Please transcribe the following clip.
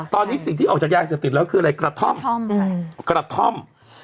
ตอนนี้สิ่งที่ออกจากยาเสพติดแล้วคืออะไรกระท่อมกระท่อม